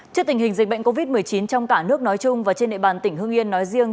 trước tình hình dịch bệnh covid một mươi chín trong cả nước nói chung và trên địa bàn tỉnh hương yên nói riêng